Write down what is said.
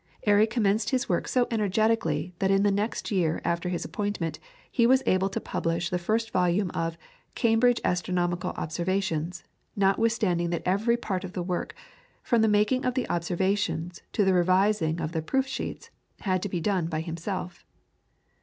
Airy commenced his work so energetically that in the next year after his appointment he was able to publish the first volume of "Cambridge Astronomical Observations," notwithstanding that every part of the work, from the making of observations to the revising of the proof sheets, had to be done by himself.